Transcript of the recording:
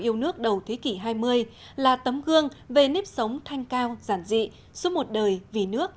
yêu nước đầu thế kỷ hai mươi là tấm gương về nếp sống thanh cao giản dị suốt một đời vì nước